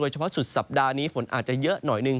เฉพาะสุดสัปดาห์นี้ฝนอาจจะเยอะหน่อยหนึ่ง